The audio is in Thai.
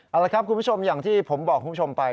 เอาละครับคุณผู้ชมอย่างที่ผมบอกคุณผู้ชมไป